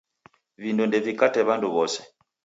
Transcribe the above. Vindo ndevikate w'andu w'ose.